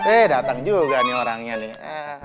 eh datang juga nih orangnya nih